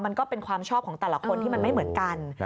มันก็เป็นความชอบของแต่ละคนที่มันไม่เหมือนกัน